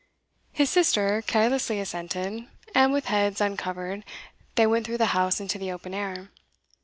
His sister carelessly assented, and with heads uncovered they went through the house into the open air.